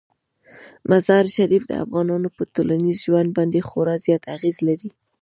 مزارشریف د افغانانو په ټولنیز ژوند باندې خورا زیات اغېز لري.